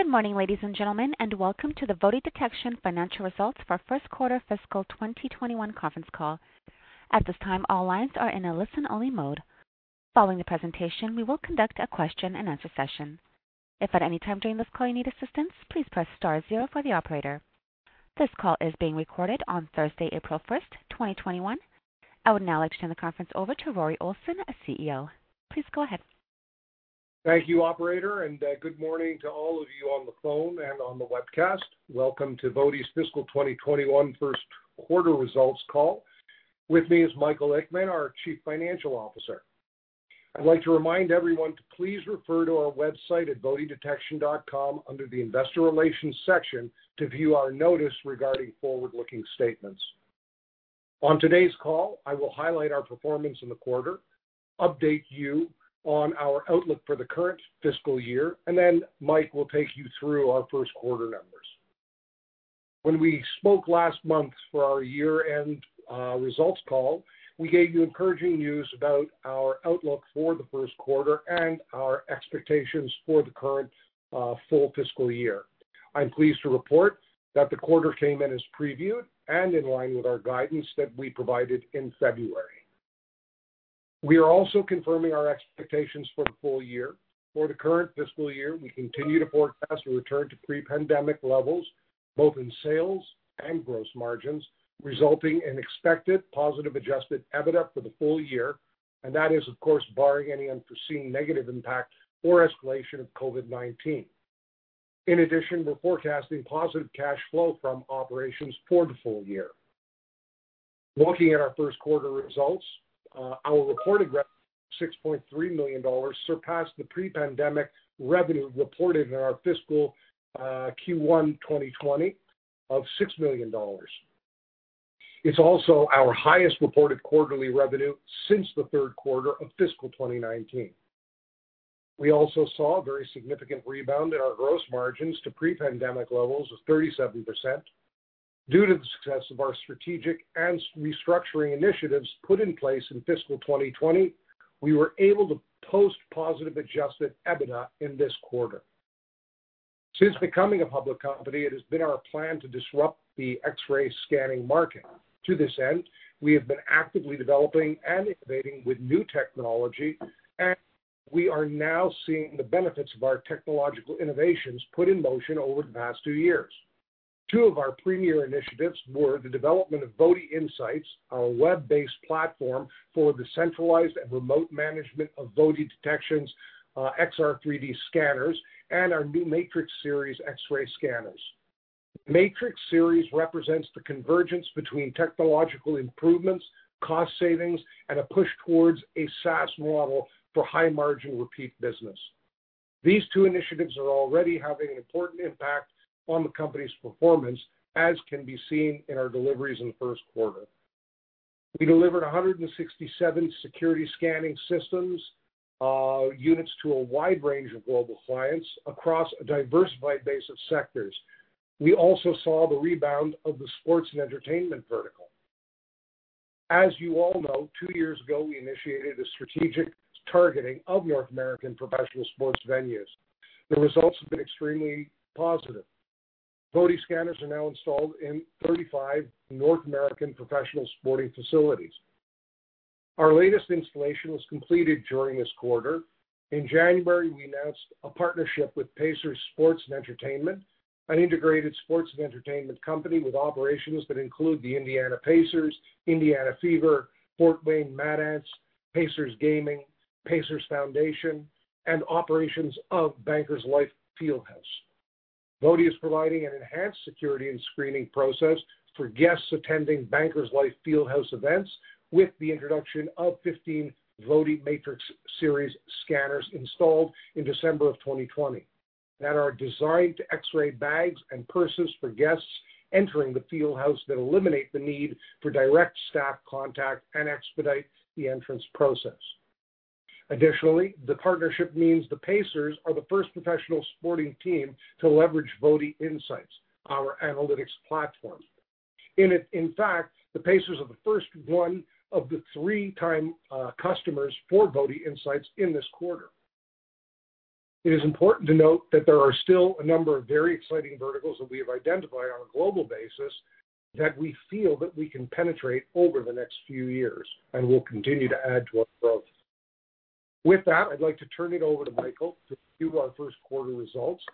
Good morning, ladies and gentlemen, and welcome to the VOTI Detection Financial Results for First Quarter Fiscal 2021 Conference Call. At this time, all lines are in a listen-only mode. Following the presentation, we will conduct a question-and-answer session. If at any time during this call you need assistance, please press star zero for the operator. This call is being recorded on Thursday, April 1st, 2021. I would now like to turn the conference over to Rory Olson, CEO. Please go ahead. Thank you, operator, good morning to all of you on the phone and on the webcast. Welcome to VOTI's fiscal 2021 first quarter results call. With me is Michael Ickman, our Chief Financial Officer. I'd like to remind everyone to please refer to our website at votidetection.com under the investor relations section to view our notice regarding forward-looking statements. On today's call, I will highlight our performance in the quarter, update you on our outlook for the current fiscal year, then Mike will take you through our first quarter numbers. When we spoke last month for our year-end results call, we gave you encouraging news about our outlook for the first quarter and our expectations for the current full fiscal year. I'm pleased to report that the quarter came in as previewed and in line with our guidance that we provided in February. We are also confirming our expectations for the full year. For the current fiscal year, we continue to forecast a return to pre-pandemic levels, both in sales and gross margins, resulting in expected positive adjusted EBITDA for the full year. That is, of course, barring any unforeseen negative impact or escalation of COVID-19. In addition, we're forecasting positive cash flow from operations for the full year. Looking at our first quarter results, our reported rev, 6.3 million dollars surpassed the pre-pandemic revenue reported in our fiscal Q1 2020 of 6 million dollars. It's also our highest reported quarterly revenue since the third quarter of fiscal 2019. We also saw a very significant rebound in our gross margins to pre-pandemic levels of 37%. Due to the success of our strategic and restructuring initiatives put in place in fiscal 2020, we were able to post positive adjusted EBITDA in this quarter. Since becoming a public company, it has been our plan to disrupt the X-ray scanning market. To this end, we have been actively developing and innovating with new technology, and we are now seeing the benefits of our technological innovations put in motion over the past two years. Two of our premier initiatives were the development of VotiINSIGHTS, our web-based platform for the centralized and remote management of VOTI Detection's XR3D scanners and our new MATRIX Series X-ray scanners. MATRIX Series represents the convergence between technological improvements, cost savings, and a push towards a SaaS model for high-margin repeat business. These two initiatives are already having an important impact on the company's performance, as can be seen in our deliveries in the first quarter. We delivered 167 security scanning systems, units to a wide range of global clients across a diversified base of sectors. We also saw the rebound of the sports and entertainment vertical. As you all know, two years ago, we initiated a strategic targeting of North American professional sports venues. The results have been extremely positive. VOTI scanners are now installed in 35 North American professional sporting facilities. Our latest installation was completed during this quarter. In January, we announced a partnership with Pacers Sports & Entertainment, an integrated sports and entertainment company with operations that include the Indiana Pacers, Indiana Fever, Fort Wayne Mad Ants, Pacers Gaming, Pacers Foundation, and operations of Bankers Life Fieldhouse. VOTI is providing an enhanced security and screening process for guests attending Bankers Life Fieldhouse events with the introduction of 15 VOTI MATRIX Series scanners installed in December of 2020 that are designed to X-ray bags and purses for guests entering the fieldhouse that eliminate the need for direct staff contact and expedite the entrance process. Additionally, the partnership means the Pacers are the first professional sporting team to leverage VotiINSIGHTS, our analytics platform. In fact, the Pacers are the first one of the three-time customers for VotiINSIGHTS in this quarter. It is important to note that there are still a number of very exciting verticals that we have identified on a global basis that we feel that we can penetrate over the next few years and will continue to add to our growth. With that, I'd like to turn it over to Michael to review our first quarter results.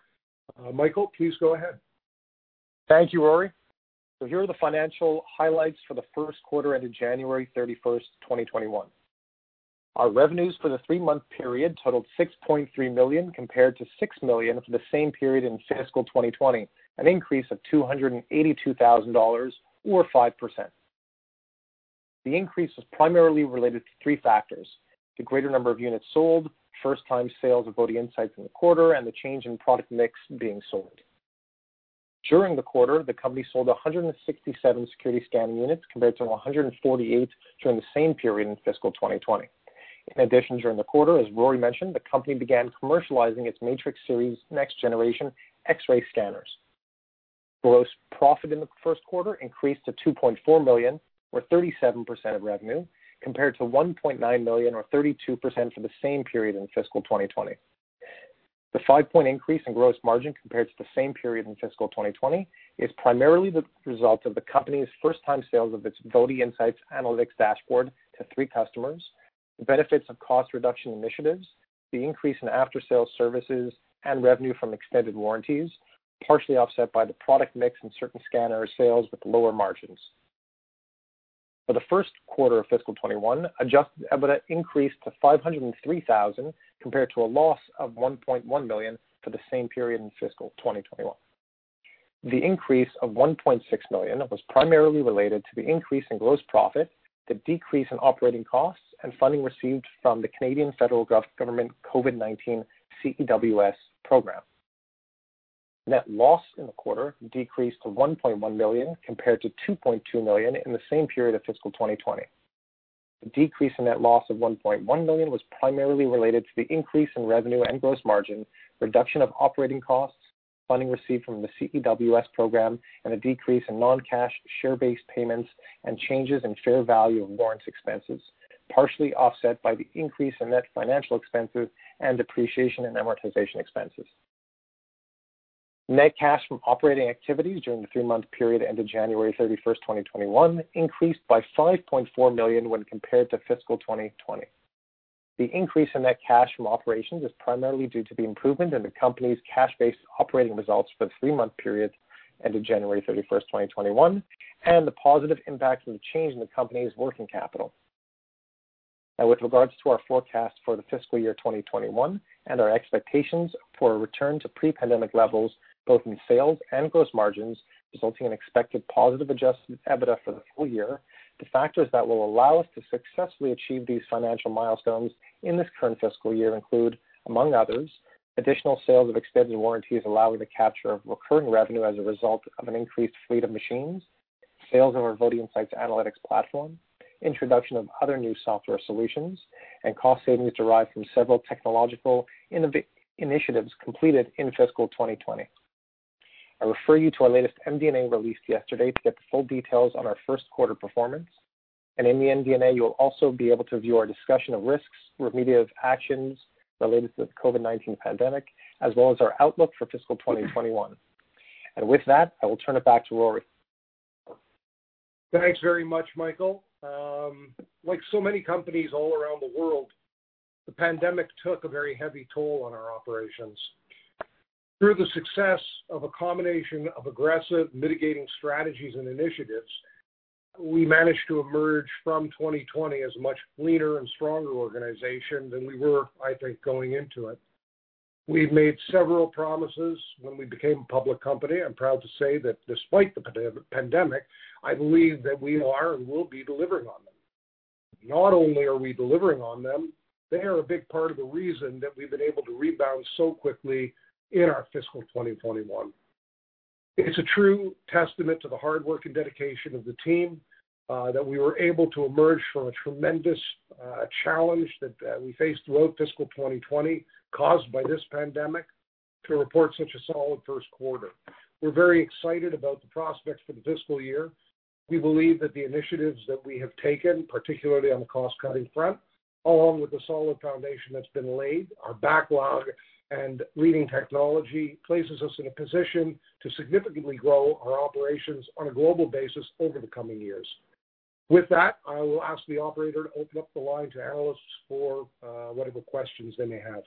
Michael, please go ahead. Thank you, Rory. Here are the financial highlights for the first quarter ended January 31st, 2021. Our revenues for the three-month period totaled 6.3 million compared to 6 million for the same period in fiscal 2020, an increase of 282,000 dollars or 5%. The increase was primarily related to three factors: the greater number of units sold, first-time sales of VotiINSIGHTS in the quarter, and the change in product mix being sold. During the quarter, the company sold 167 security scanning units compared to 148 during the same period in fiscal 2020. In addition, during the quarter, as Rory mentioned, the company began commercializing its MATRIX Series next-generation X-ray scanners. Gross profit in the first quarter increased to 2.4 million, or 37% of revenue, compared to 1.9 million or 32% for the same period in fiscal 2020. The five-point increase in gross margin compared to the same period in fiscal 2020 is primarily the result of the company's first-time sales of its VotiINSIGHTS analytics dashboard to three customers, the benefits of cost reduction initiatives, the increase in after-sales services, and revenue from extended warranties, partially offset by the product mix in certain scanner sales with lower margins. For the first quarter of fiscal 2021, adjusted EBITDA increased to 503,000, compared to a loss of 1.1 million for the same period in fiscal 2020. The increase of 1.6 million was primarily related to the increase in gross profit, the decrease in operating costs, and funding received from the Canadian Federal Government COVID-19 CEWS program. Net loss in the quarter decreased to 1.1 million compared to 2.2 million in the same period of fiscal 2020. The decrease in net loss of 1.1 million was primarily related to the increase in revenue and gross margin, reduction of operating costs, funding received from the CEWS program, and a decrease in non-cash share-based payments and changes in fair value of warrants expenses, partially offset by the increase in net financial expenses and depreciation and amortization expenses. Net cash from operating activities during the three-month period ended January 31st, 2021 increased by 5.4 million when compared to fiscal 2020. The increase in net cash from operations is primarily due to the improvement in the company's cash-based operating results for the three-month period ended January 31st, 2021, and the positive impact of the change in the company's working capital. With regards to our forecast for the fiscal year 2021 and our expectations for a return to pre-pandemic levels, both in sales and gross margins, resulting in expected positive adjusted EBITDA for the full year, the factors that will allow us to successfully achieve these financial milestones in this current fiscal year include, among others, additional sales of extended warranties allowing the capture of recurring revenue as a result of an increased fleet of machines, sales of our VotiINSIGHTS analytics platform, introduction of other new software solutions, and cost savings derived from several technological initiatives completed in fiscal 2020. I refer you to our latest MD&A released yesterday to get the full details on our first quarter performance. In the MD&A, you will also be able to view our discussion of risks, remedial actions related to the COVID-19 pandemic, as well as our outlook for fiscal 2021. With that, I will turn it back to Rory. Thanks very much, Michael. Like so many companies all around the world, the pandemic took a very heavy toll on our operations. Through the success of a combination of aggressive mitigating strategies and initiatives, we managed to emerge from 2020 as a much leaner and stronger organization than we were, I think, going into it. We've made several promises when we became a public company. I'm proud to say that despite the pandemic, I believe that we are and will be delivering on them. Not only are we delivering on them, they are a big part of the reason that we've been able to rebound so quickly in our fiscal 2021. It's a true testament to the hard work and dedication of the team, that we were able to emerge from a tremendous challenge that we faced throughout fiscal 2020 caused by this pandemic to report such a solid first quarter. We're very excited about the prospects for the fiscal year. We believe that the initiatives that we have taken, particularly on the cost-cutting front, along with the solid foundation that's been laid, our backlog and leading technology places us in a position to significantly grow our operations on a global basis over the coming years. With that, I will ask the operator to open up the line to analysts for whatever questions they may have.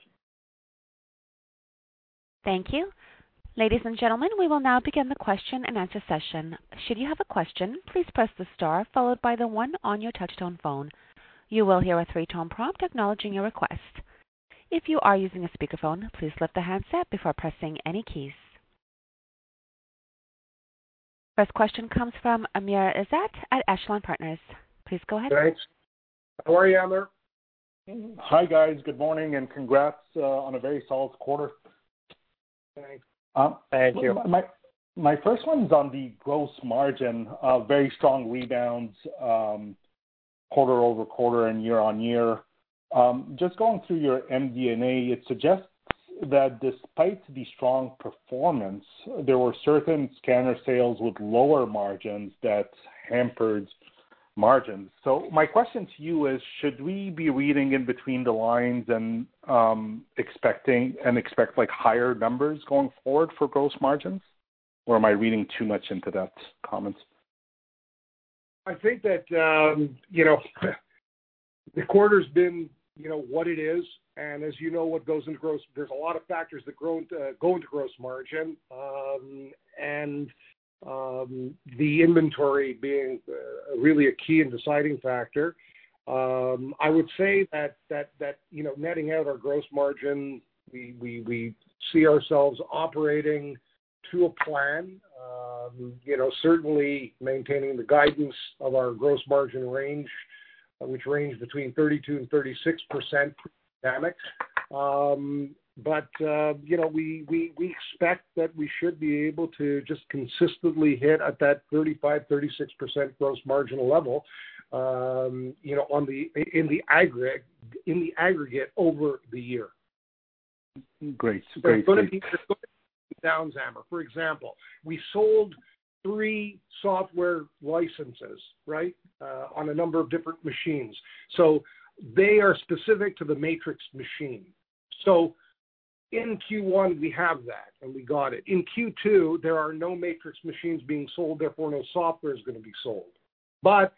Thank you. Ladies and gentlemen, we will now begin the question-and-answer session. Should you have a question, please press the star followed by the one on your touchtone phone. You will hear a three-tone prompt acknowledging your request. If you are using a speakerphone, please lift the handset before pressing any keys. First question comes from Amr Ezzat at Echelon Partners. Please go ahead. Thanks. How are you, Amr? Hi, guys. Good morning, and congrats on a very solid quarter. Thanks. Thank you. My, my first one's on the gross margin, uh, very strong rebounds, um, quarter over quarter and year on year. Um, just going through your MD&A, it suggests that despite the strong performance, there were certain scanner sales with lower margins that hampered margins. So my question to you is, should we be reading in between the lines and, um, expecting and expect like higher numbers going forward for gross margins? Or am I reading too much into that comment? I think that, um, you know, the quarter's been, you know, what it is, and as you know, what goes into gross, there's a lot of factors that go into, go into gross margin. Um, and, um, the inventory being, uh, really a key and deciding factor. Um, I would say that, that, you know, netting out our gross margin, we, we see ourselves operating to a plan, um, you know, certainly maintaining the guidance of our gross margin range, which range between 32% and 36%. Um, but, uh, you know, we, we expect that we should be able to just consistently hit at that 35%, 36% gross margin level, um, you know, on the, in the aggrate, in the aggregate over the year. Great. Great. But if down [Zamer]. For example, we sold three software licenses, right, uh, on a number of different machines. So they are specific to the MATRIX machine. So in Q1 we have that, and we got it. In Q2, there are no MATRIX machines being sold, therefore, no software is gonna be sold. But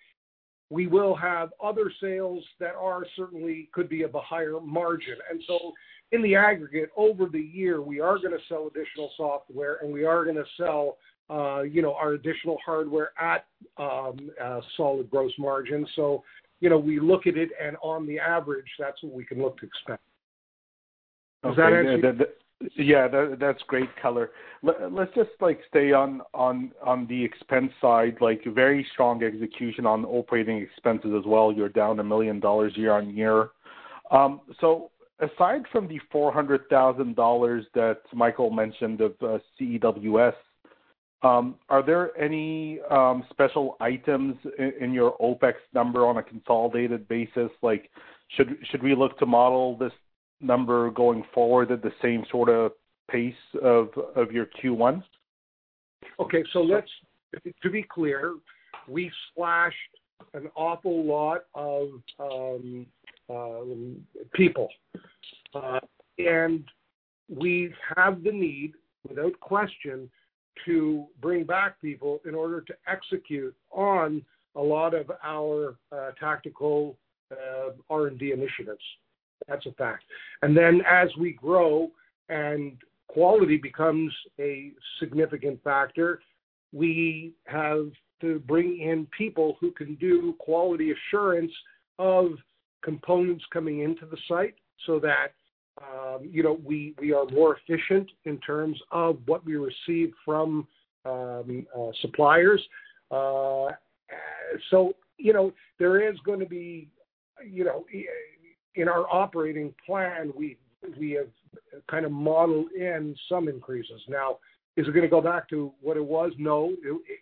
we will have other sales that are certainly could be of a higher margin. And so in the aggregate, over the year, we are gonna sell additional software, and we are gonna sell, uh, you know, our additional hardware at, um, uh, solid gross margin. So, you know, we look at it, and on the average, that's what we can look to expect. Does that answer? Okay. Yeah, that's great color. Let's just like stay on the expense side, like very strong execution on operating expenses as well. You're down 1 million dollars year-on-year. Aside from the 400,000 dollars that Michael mentioned of CEWS, are there any special items in your OpEx number on a consolidated basis? Like, should we look to model this number going forward at the same sort of pace of your Q1s? Okay. So let's, to be clear, we slashed an awful lot of, um, people. Uh, and we have the need, without question, to bring back people in order to execute on a lot of our, uh, tactical, uh, R&D initiatives. That's a fact. And then as we grow and quality becomes a significant factor, we have to bring in people who can do quality assurance of components coming into the site so that, um, you know, we are more efficient in terms of what we receive from, um, uh, suppliers. Uh, so, you know, there is gonna be, you know, in our operating plan, we have kinda modeled in some increases. Now, is it gonna go back to what it was? No,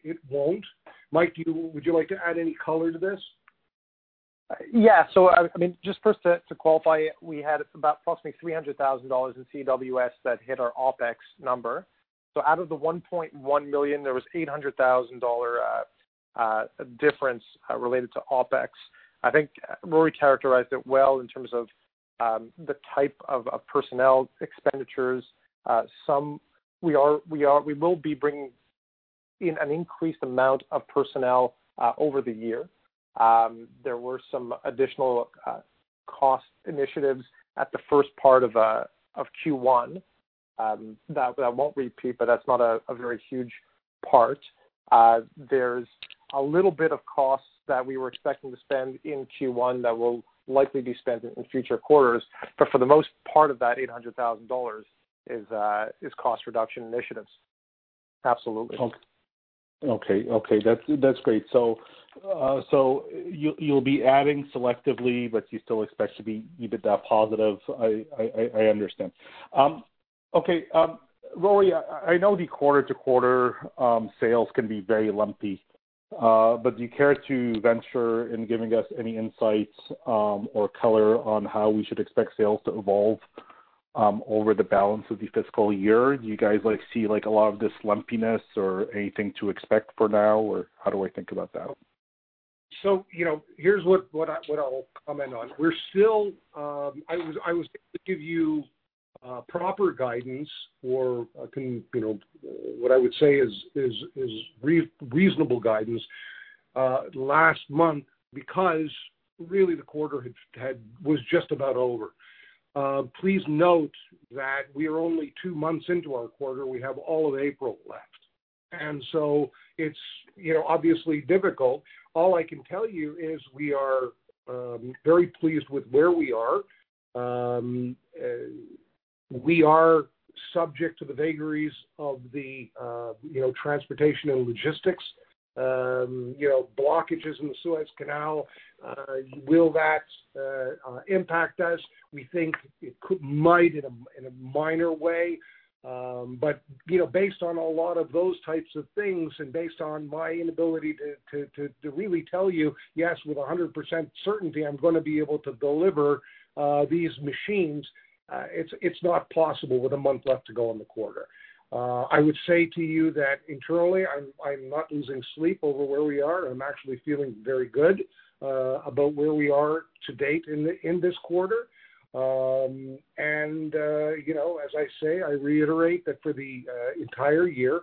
it won't. Mike, do you, would you like to add any color to this? Yeah. So, I mean, just first to qualify it, we had about approximately 300,000 dollars in CEWS that hit our OpEx number. So out of the 1.1 million, there was 800,00 dollar, uh, difference, uh, related to OpEx. I think Rory characterized it well in terms of, um, the type of personnel expenditures. Uh, some we are, we are, we will be bringing in an increased amount of personnel, uh, over the year. Um, there were some additional, uh, cost initiatives at the first part of, uh, of Q1, um, that I won't repeat, but that's not a very huge part. Uh, there's a little bit of costs that we were expecting to spend in Q1 that will likely be spent in future quarters. But for the most part of that 800,000 dollars is, uh, is cost reduction initiatives. Absolutely. Okay. Okay, that's great. So, uh, so you'll be adding selectively, but you still expect to be EBITDA positive. I, I understand. Um, okay, um, Rory, I know the quarter-to-quarter, um, sales can be very lumpy, uh, but do you care to venture in giving us any insights, um, or color on how we should expect sales to evolve, um, over the balance of the fiscal year? Do you guys like see like a lot of this lumpiness or anything to expect for now, or how do I think about that? So, you know, here's what I, what I will comment on. We're still, um, I was, I was gonna give you, uh, proper guidance or can, you know, what I would say is, is reasonable guidance, uh, last month because really the quarter had, was just about over. Uh, please note that we are only two months into our quarter. We have all of April left. And so it's, you know, obviously difficult. All I can tell you is we are, um, very pleased with where we are. Um, uh, we are subject to the vagaries of the, uh, you know, transportation and logistics. Um, you know, blockages in the Suez Canal, uh, will that, uh, impact us? We think it could, might in a, in a minor way. Um, but, you know, based on a lot of those types of things and based on my inability to, to really tell you, yes, with a 100% certainty, I'm gonna be able to deliver, uh, these machines, uh, it's not possible with a month left to go in the quarter. Uh, I would say to you that internally, I'm not losing sleep over where we are. I'm actually feeling very good, uh, about where we are to date in this quarter. Um, and, uh, you know, as I say, I reiterate that for the, uh, entire year,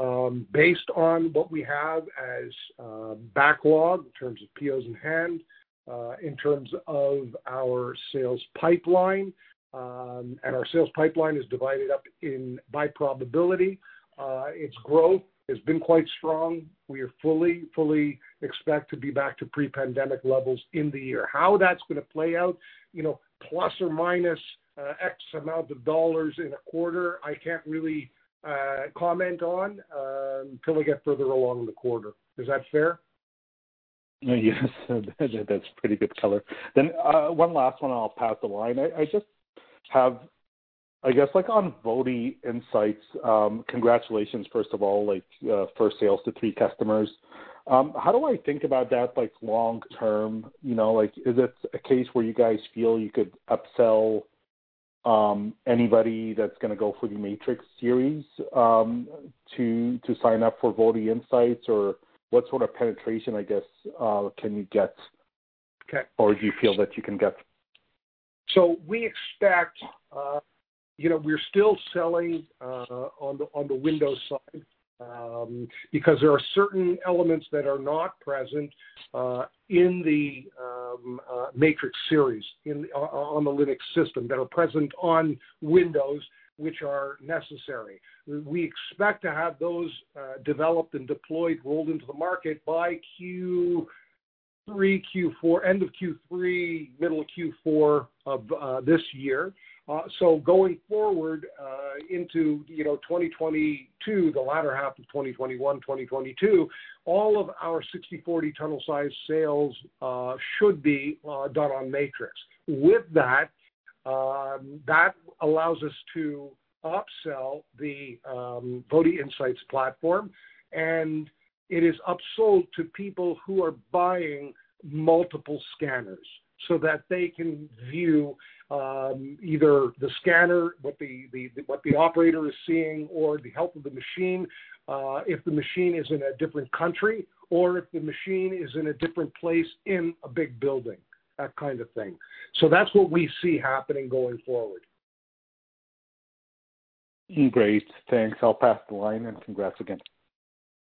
um, based on what we have as, uh, backlog in terms of POs in hand, uh, in terms of our sales pipeline, um, and our sales pipeline is divided up in by probability. Uh, its growth has been quite strong. We are fully, fully expect to be back to pre-pandemic levels in the year. How that's gonna play out, you know, plus or minus, uh, X amount of dollars in a quarter, I can't really, uh, comment on, um, till we get further along in the quarter. Is that fair? Yes. That's pretty good color. Then, uh, one last one, I'll pass the line. I just have, I guess, like on VotiINSIGHTS, um, congratulations, first of all, like, uh, first sales to three customers. Um, how do I think about that, like long term? You know, like, is it a case where you guys feel you could upsell um, anybody that's gonna go for the MATRIX Series, um, to sign up for VotiINSIGHTS or what sort of penetration, I guess, uh, can you get? Okay. Or do you feel that you can get? So we expect, uh, you know, we're still selling, uh, on the, on the Windows side, um, because there are certain elements that are not present, uh, in the, um, uh, MATRIX Series in, on the Linux system that are present on Windows, which are necessary. We expect to have those, uh, developed and deployed, rolled into the market by Q3, Q4. End of Q3, middle of Q4 of, uh, this year. Uh, so going forward, uh, into, you know, 2022, the latter half of 2021, 2022, all of our 60x40 tunnel size sales, uh, should be, uh, done on MATRIX. With that, um, that allows us to upsell the, um, VotiInsights platform, and it is upsold to people who are buying multiple scanners so that they can view, um, either the scanner, what the, what the operator is seeing or the health of the machine, uh, if the machine is in a different country or if the machine is in a different place in a big building. That kind of thing. So that's what we see happening going forward. Great. Thanks. I'll pass the line. And congrats again.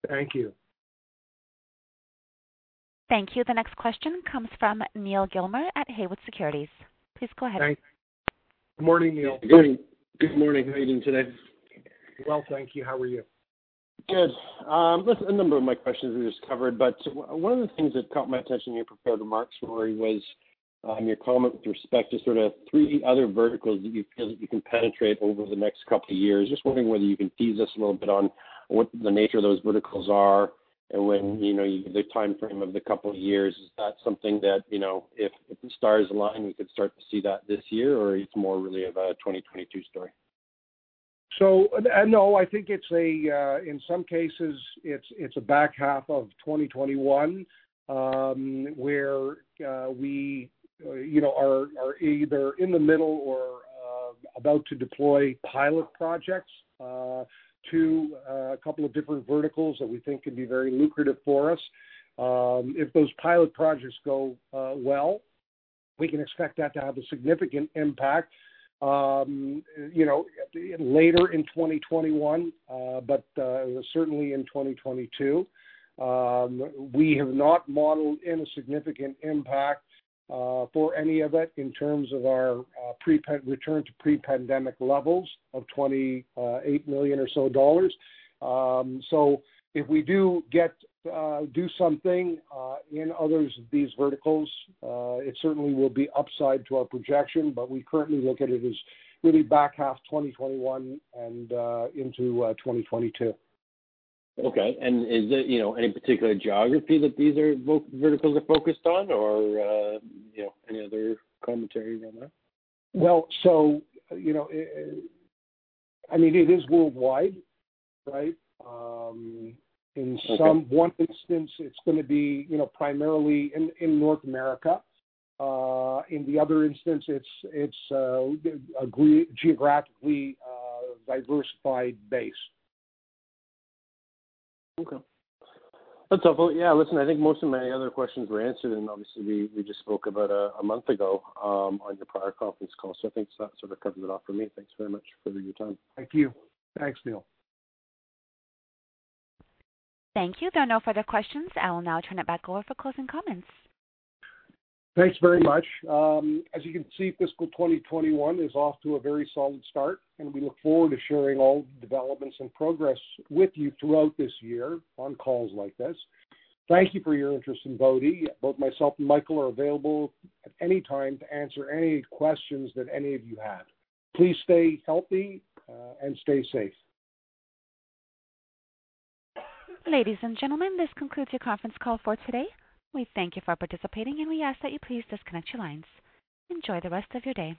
Thank you. Thank you. The next question comes from Neal Gilmer at Haywood Securities. Please go ahead. Thanks. Good morning, Neal. Good morning. How are you doing today? Well, thank you. How are you? Good. Um, listen, a number of my questions were just covered, but one of the things that caught my attention in your prepared remarks, Rory, was, um, your comment with respect to sort of three other verticals that you feel that you can penetrate over the next couple of years. Just wondering whether you can tease us a little bit on what the nature of those verticals are and when, you know, the timeframe of the couple of years. Is that something that, you know, if the stars align, we could start to see that this year, or it's more really of a 2022 story? No, I think it's a, in some cases, it's a back half of 2021, where we, you know, are either in the middle or about to deploy pilot projects to a couple of different verticals that we think can be very lucrative for us. If those pilot projects go well, we can expect that to have a significant impact, you know, later in 2021, but certainly in 2022. We have not modeled any significant impact for any of it in terms of our return to pre-pandemic levels of 28 million or so. If we do get, do something, in others of these verticals, it certainly will be upside to our projection, but we currently look at it as really back half of 2021 and into 2022. Okay. Is there, you know, any particular geography that these verticals are focused on or, you know, any other commentary on that? Well so, you know, I mean, it is worldwide, right? Okay. In one instance, it's gonna be, you know, primarily in North America. In the other instance, it's geographically diversified by base. Okay. That's helpful. Yeah. Listen, I think most of my other questions were answered, and obviously we just spoke about a month ago, um, on the prior conference call. So I think that sort of covers it off for me. Thanks very much for your time. Thank you. Thanks, Neal. Thank you. There are no further questions. I will now turn it back over for closing comments. Thanks very much. Um, as you can see, fiscal 2021 is off to a very solid start, and we look forward to sharing all developments and progress with you throughout this year on calls like this. Thank you for your interest in VOTI. Both myself and Michael are available at any time to answer any questions that any of you have. Please stay healthy, uh, and stay safe. Ladies and gentlemen, this concludes your conference call for today. We thank you for participating, and we ask that you please disconnect your lines. Enjoy the rest of your day.